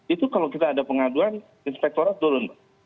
itu kalau kita ada pengaduan inspektorat turun